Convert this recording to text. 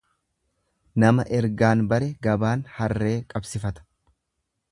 Nama ergaan bare gabaan harree qabsifata.